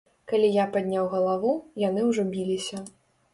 Калі я падняў галаву, яны ўжо біліся.